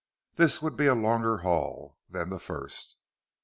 This would be a longer haul than the first.